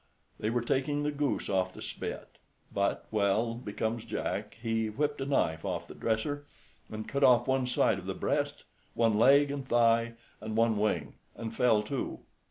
They were taking the goose off the spit, but, well becomes Jack, he whipped a knife off the dresser, and cut off one side of the breast, one leg and thigh, and one wing, and fell to.